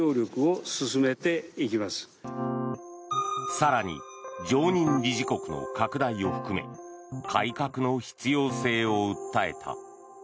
更に、常任理事国の拡大を含め改革の必要性を訴えた。